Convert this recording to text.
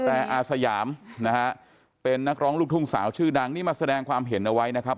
แต่อาสยามนะฮะเป็นนักร้องลูกทุ่งสาวชื่อดังนี่มาแสดงความเห็นเอาไว้นะครับ